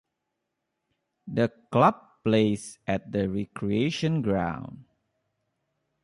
The club plays at the Recreation Ground.